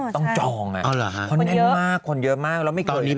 ต้องจองคนแน่นมากคนเยอะมาก